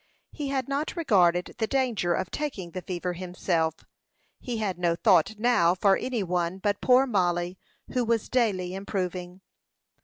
He had not regarded the danger of taking the fever himself. He had no thought now for any one but poor Mollie, who was daily improving.